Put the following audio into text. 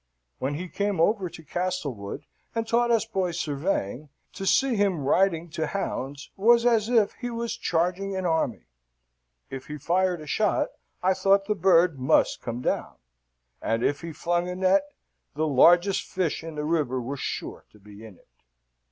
When he came over to Castlewood and taught us boys surveying, to see him riding to hounds was as if he was charging an army. If he fired a shot, I thought the bird must come down, and if be flung a net, the largest fish in the river were sure to be in it.